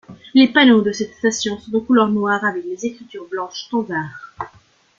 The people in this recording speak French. Les panneaux de cette station sont de couleur noire avec les écritures blanches standards.